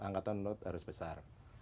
angkatan laut harus besar